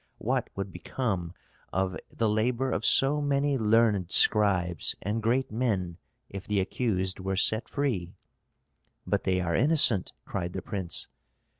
What would become of the labor of so many learned scribes and great men if the accused were set free?" "But they are innocent!" cried the prince.